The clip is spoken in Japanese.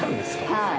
はい。